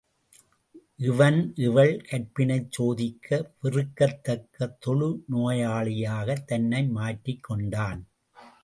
அவன் இவள் கற்பினைச் சோதிக்க வெறுக்கத் தக்க தொழு நோயாளியாகத் தன்னை மாற்றிக் கொண்டான்.